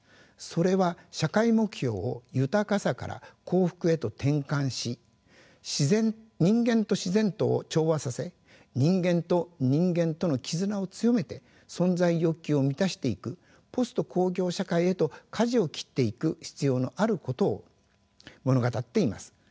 それは社会目標を豊かさから幸福へと転換し人間と自然とを調和させ人間と人間との絆を強めて存在欲求を満たしていくポスト工業社会へとかじを切っていく必要のあることを物語っています。